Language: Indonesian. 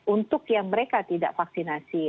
untuk yang mereka tidak vaksinasi